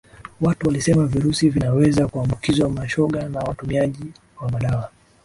watu walisema virusi vinaweza kuambukiza mashoga na watumiaji wa madawa